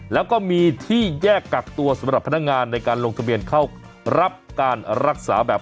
แล้วก็มีที่แยกกักตัวสำหรับพนักงานในการลงทะเบียนเข้ารับการรักษาแบบ